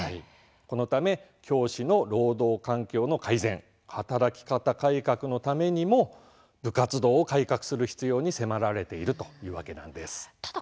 このため教師の労働環境の改善働き方改革のためにも部活動を改革する必要に迫られているというわけなんです。